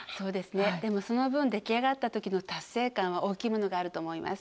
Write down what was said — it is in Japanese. でもその分出来上がったときの達成感は大きいものがあると思います。